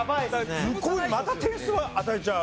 向こうにまた点数与えちゃう。